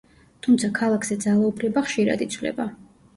თუმცა ქალაქზე ძალაუფლება ხშირად იცვლება.